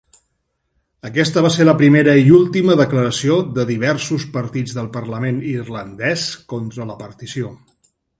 Aquesta va ser la primera i última declaració de diversos partits del parlament irlandès contra la partició.